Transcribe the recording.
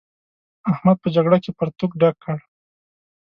احمد په جګړه کې پرتوګ ډک کړ.